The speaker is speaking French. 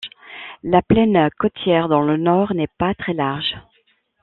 La plaine côtière dans le nord n'est pas très large.